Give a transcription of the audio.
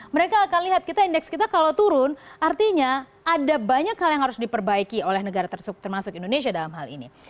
mereka akan lihat kita indeks kita kalau turun artinya ada banyak hal yang harus diperbaiki oleh negara termasuk indonesia dalam hal ini